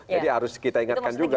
jadi harus kita ingatkan juga